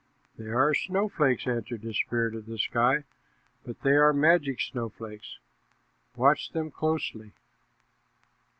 "'They are snowflakes,' answered the spirit of the sky, 'but they are magic snowflakes. Watch them closely.'